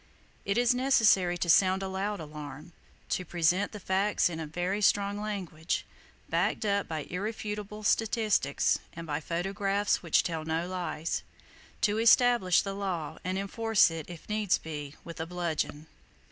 It is necessary to sound a loud alarm, to present the facts in very strong language, backed up by irrefutable statistics and by photographs which tell no lies, to establish the law and enforce it if needs be with a bludgeon.